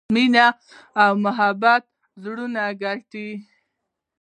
مینه او محبت زړونه ګټي.